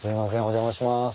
お邪魔します。